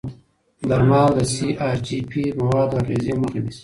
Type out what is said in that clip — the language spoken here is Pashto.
درمل د سي ار جي پي موادو اغېزې مخه نیسي.